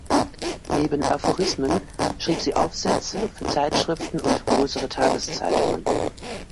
Neben Aphorismen schrieb sie Aufsätze für Zeitschriften und größere Tageszeitungen.